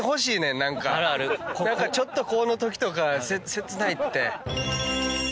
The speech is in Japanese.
何かちょっとこのときとか切ないって。